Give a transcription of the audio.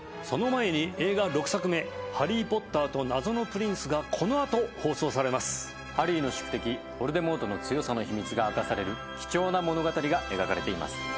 その前に映画６作目「ハリー・ポッターと謎のプリンス」がこのあと放送されますハリーの宿敵・ヴォルデモートの強さの秘密が明かされる貴重な物語が描かれています